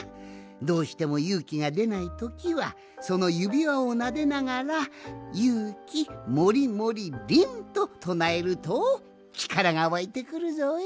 どうしてもゆうきがでないときはそのゆびわをなでながら「ゆうきもりもりりん」ととなえるとちからがわいてくるぞい。